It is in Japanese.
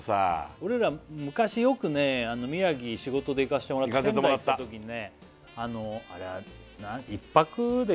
俺ら昔よく宮城仕事で行かせてもらった仙台行ったときにね